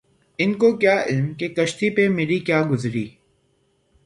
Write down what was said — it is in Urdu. ان کو کیا علم کہ کشتی پہ مری کیا گزری